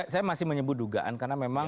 saya masih menyebut dugaan karena memang